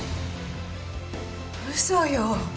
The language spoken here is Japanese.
嘘よ。